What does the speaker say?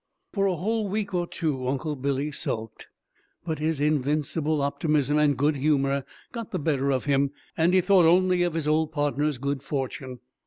For a whole week or two Uncle Billy sulked, but his invincible optimism and good humor got the better of him, and he thought only of his old partner's good fortune.